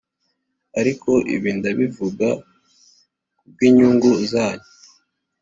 Ariko ibi ndabivuga ku bw inyungu zanyu